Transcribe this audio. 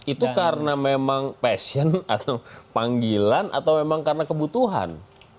itu karena memang passion atau panggilan atau memang karena kebutuhan